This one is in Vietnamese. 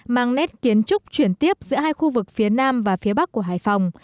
mang nét kiến trúc chuyển tiếp giữa hai khu vực phía nam và phía bắc của hải phòng